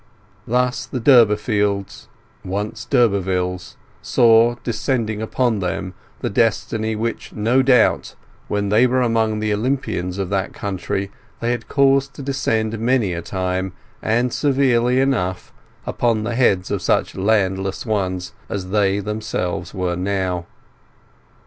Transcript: Thus the Durbeyfields, once d'Urbervilles, saw descending upon them the destiny which, no doubt, when they were among the Olympians of the county, they had caused to descend many a time, and severely enough, upon the heads of such landless ones as they themselves were now.